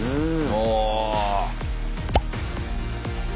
お！